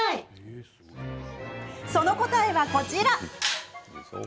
その答えは、こちら。